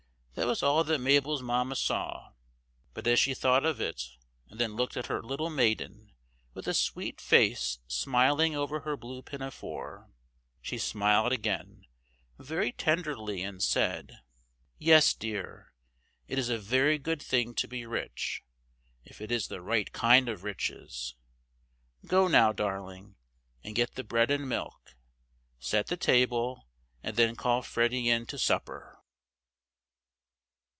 That was all that Mabel's Mamma saw, but as she thought of it, and then looked at her little maiden, with a sweet face smiling over her blue pinafore, she smiled again, very tenderly, and said,— "Yes, dear, it is a very good thing to be rich, if it is the right kind of riches. Go now, darling, and get the bread and milk; set the table, and then call Freddy in to supper."